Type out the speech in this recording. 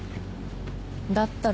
だったら。